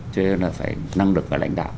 cho nên là phải năng lực về lãnh đạo